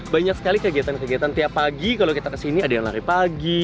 banyak sekali kegiatan kegiatan tiap pagi kalau kita kesini ada yang lari pagi